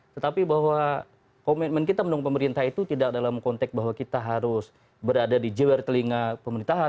tetapi bahwa komitmen kita mendukung pemerintah itu tidak dalam konteks bahwa kita harus berada di jewer telinga pemerintahan